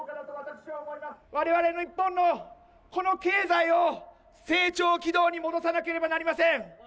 われわれ日本のこの経済を成長軌道に戻さなければなりません。